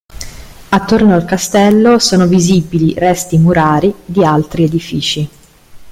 Attorno al castello sono visibili resti murari di altri edifici.